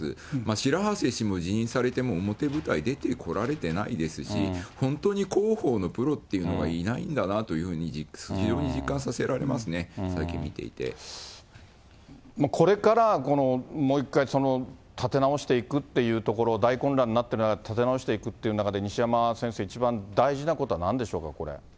白波瀬氏も辞任されて、もう表舞台出てきてこられてないですし、本当に広報のプロっていうのがいないんだなと実感させられますね、これから、もう一回立て直していくっていうところ、大混乱になったのを立て直していくっていう中で、西山先生、一番大事なことはなんでしょうか、これ。